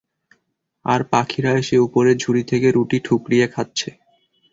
আর পাখিরা এসে উপরের ঝুড়ি থেকে রুটি ঠুকরিয়ে খাচ্ছে।